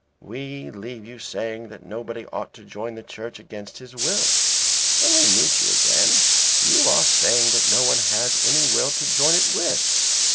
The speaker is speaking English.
We leave you saying that nobody ought to join the Church against his will. When we meet you again you are saying that no one has any will to join it with.